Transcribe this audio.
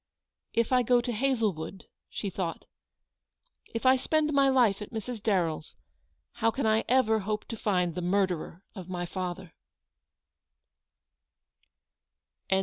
"If I go to Hazlewood," she thought, "if I spend my life at Mrs. Darren" s, how can I ever hope to find the murderer of my father